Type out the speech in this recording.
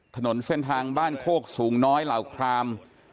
ถนนเส้นทางบ้านโคกสูงน้อยเหล่าคราม